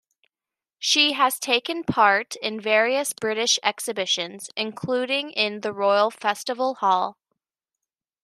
She has taken part in various British exhibitions, including in the Royal Festival Hall.